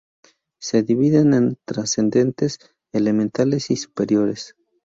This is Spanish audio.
Se dividen en trascendentes elementales y superiores.